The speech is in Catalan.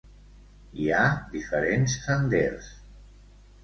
Hi ha diferents senders.